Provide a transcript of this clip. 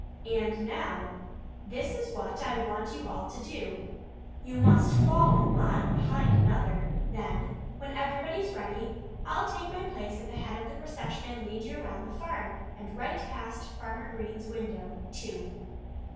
"And now this is what I want you all to do: you must fall in line one behind another. And when everybody's ready I'll take my place at the head of the procession and lead you all around the farm, and right past Farmer Green's window, too."